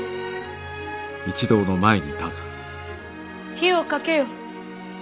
火をかけよ。